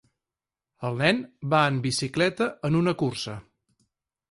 El nen va en bicicleta en una cursa.